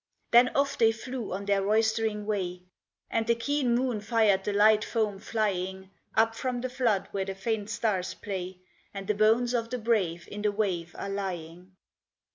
Then off they flew on their roystering way, And the keen moon fired the light foam flying Up from the flood where the faint stars play, And the bones of the brave in the wave are lying.